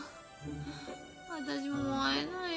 私もう会えないよ